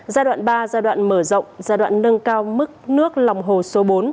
giai đoạn ba giai đoạn mở rộng giai đoạn nâng cao mức nước lòng hồ số bốn